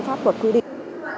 pháp luật quy định